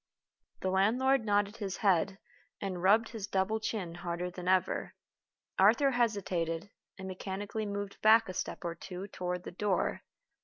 The land lord nodded his head, and rubbed his double chin harder than ever. Arthur hesitated, and mechanically moved back a step or two toward the door.